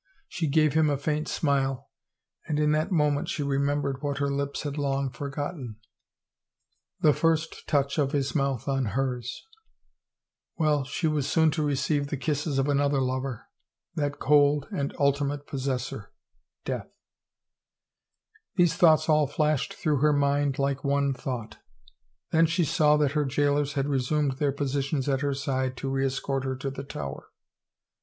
She gave him a faint smile, and in that moment she remembered what her lips had long forgotten, the first touch of his mouth on hers. ... Well, she was soon 361 THE FAVOR OF KINGS to receive the kisses of another lover, that cold and ulti mate possessor, Death. These thoughts all flashed through her mind like one thought ; then she saw that her jailers had resumed their positions at her side to reescort her to the Tower.